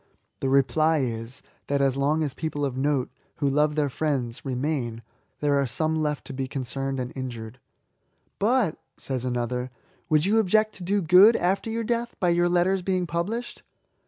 The reply is, that as long as people of note, who love their friends, remain, there are some left to be concerned and injured. '* But, says another, " woidd you object to do good, after your death, by your letters being published?"